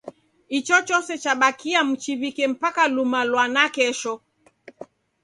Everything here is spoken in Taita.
Ichochose chabakiaa mchiw'ike mpaka luma lwa nakesho.